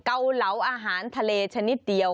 เกาเหลาอาหารทะเลชนิดเดียว